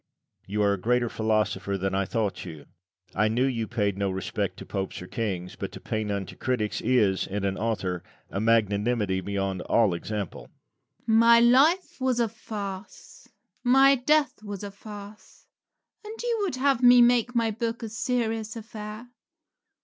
Lucian. You are a greater philosopher than I thought you. I knew you paid no respect to Popes or kings, but to pay none to critics is, in an author, a magnanimity beyond all example. Rabelais. My life was a farce; my death was a farce; and would you have me make my book a serious affair?